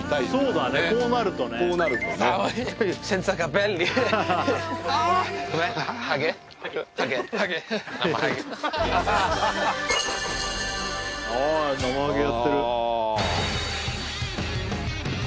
ああなまはげやってる。